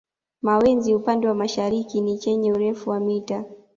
Mawenzi upande wa mashariki ni chenye urefu wa mita